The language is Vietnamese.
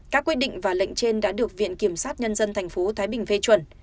các quy định và lệnh trên đã được viện kiểm sát nhân dân thành phố thái bình phê chuẩn